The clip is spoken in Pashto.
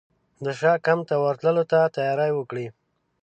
د شاه کمپ ته ورتللو ته تیاري وکړي.